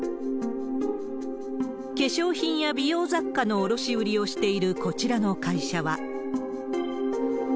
化粧品や美容雑貨の卸売りをしているこちらの会社は。